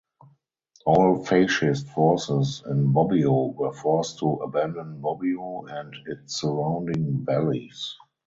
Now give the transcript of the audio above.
All fascist forces in Bobbio were forced to abandon Bobbio and its surrounding valleys.